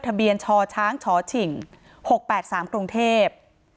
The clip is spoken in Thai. ทะเบียนชชฉิง๖๘๓กรุงเทพ